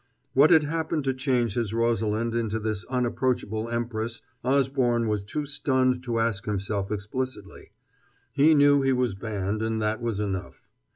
What had happened to change his Rosalind into this unapproachable empress Osborne was too stunned to ask himself explicitly. He knew he was banned, and that was enough.